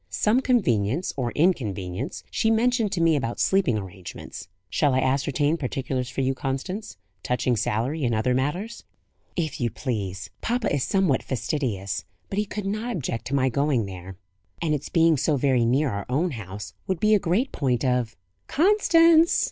"Some convenience, or inconvenience, she mentioned to me, about sleeping arrangements. Shall I ascertain particulars for you, Constance; touching salary and other matters?" "If you please. Papa is somewhat fastidious; but he could not object to my going there; and its being so very near our own house would be a great point of " "Constance!"